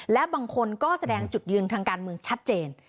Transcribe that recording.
และบางคนก็แสดงจุดยืนทางการเมืองชัดเจน